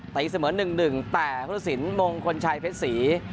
แต่อีกเสมอหนึ่งหนึ่งแต่ฮุตศิลป์มงค์คนชัยเพชรสี่